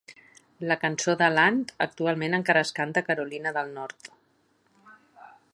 La cançó de Land actualment encara es canta a Carolina del Nord.